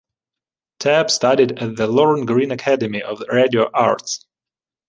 Tapp studied at the Lorne Greene Academy of Radio Arts.